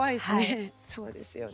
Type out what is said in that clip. そうですよね。